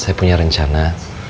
dia punya rencana